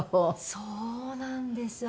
そうなんです。